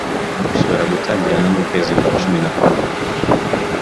ishobora gutangirana n'ukwezi kwa cumin a kumwe